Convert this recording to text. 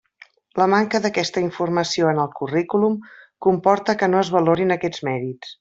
La manca d'aquesta informació en el currículum comporta que no es valorin aquests mèrits.